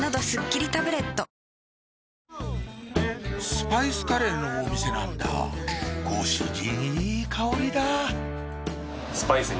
スパイスカレーのお店なんだご主人いい香りだ！